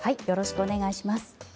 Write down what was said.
よろしくお願いします。